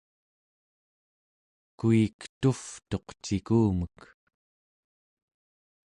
kuik tuvtuq cikumek